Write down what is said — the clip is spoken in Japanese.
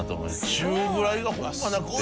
中ぐらいがホンマなくて。